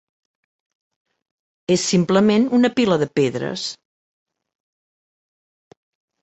És simplement una pila de pedres.